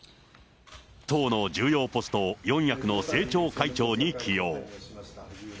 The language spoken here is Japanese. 党の重要ポスト、四役の政調会長に起用。